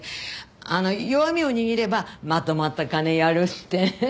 あの弱みを握ればまとまった金をやるって。